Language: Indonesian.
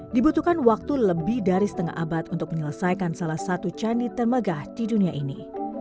dibutuhkan waktu lebih dari setengah abad untuk menyelesaikan salah satu candi termegah di dunia ini